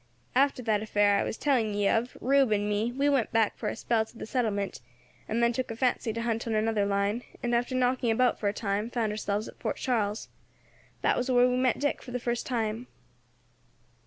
After that affair I was telling ye of, Rube and me, we went back for a spell to the settlement, and then took a fancy to hunt on another line, and, after knocking about for a time, found ourselves at Fort Charles. That was where we met Dick for the first time.